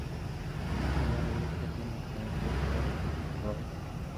Este nuevo grupo tiene influencias Folk-Rock.